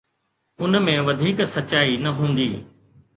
ان ۾ وڌيڪ سچائي نه هوندي.